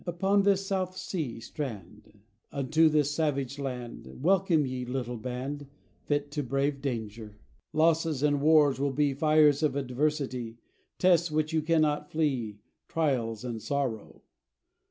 Upon this South sea strand Unto this savage land Welcome, ye little band, Fit to brave danger. Losses and wars will be Fires of adversity, Tests which you cannot flee Trials and sorrow.